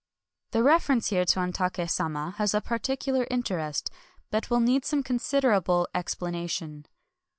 2 The reference here to Ontak^ Sama has a particular interest, but will need some considerable explanation.